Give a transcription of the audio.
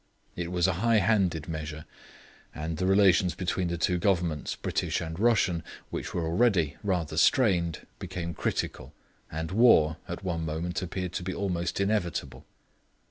It was a high handed measure, and the relations between the two Governments, British and Russian, which were already rather strained, became critical, and war at one moment appeared to be almost inevitable.